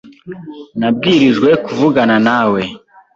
Nabwirijwe kuvugana nawe .